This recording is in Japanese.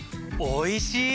おいしい！